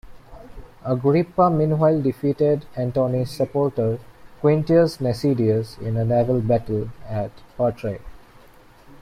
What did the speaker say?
Agrippa meanwhile defeated Antony's supporter Quintus Nasidius in a naval battle at Patrae.